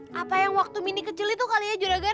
oh apa yang waktu mindi kecil itu kali ya juragan